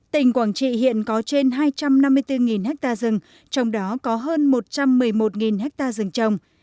tỉnh quảng trị hiện có trên hai trăm năm mươi bốn ha rừng trong đó có hơn một trăm một mươi một ha rừng trồng